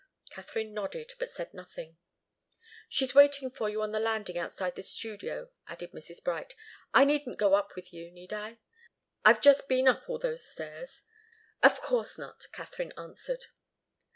Katharine nodded, but said nothing. "She's waiting for you on the landing outside the studio," added Mrs. Bright. "I needn't go up with you, need I? I've just been up all those stairs." "Of course not," Katharine answered.